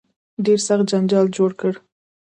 ډېر سخت جنجال جوړ کړ.